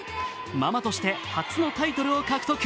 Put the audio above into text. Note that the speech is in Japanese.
ママとして初のタイトルを獲得。